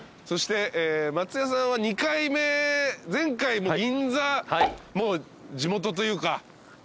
そして松也さんは２回目前回も銀座もう地元というか。